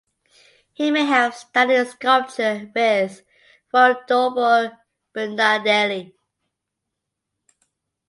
He may have studied sculpture with Rodolfo Bernardelli.